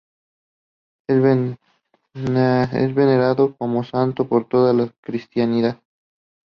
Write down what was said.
Es venerado como santo por toda la cristiandad.